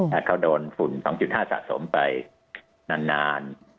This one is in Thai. ถ้าเขาโดนฝุ่น๒๕สะสมไปนาน